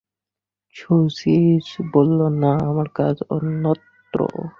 শচীশ বলিল, না, আমার কাজ অন্যত্র!